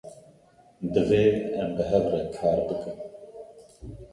Divê em bi hev re kar bikin